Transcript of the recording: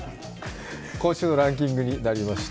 今週のランキングになりました。